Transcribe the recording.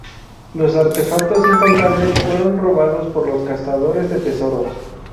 Los artefactos incontables fueron robados por los cazadores de tesoros.